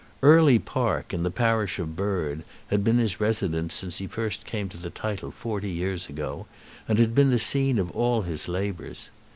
Early Park, in the parish of Bird, had been his residence since he first came to the title forty years ago, and had been the scene of all his labours.